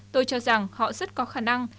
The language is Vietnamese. tôi cho rằng họ rất có khả năng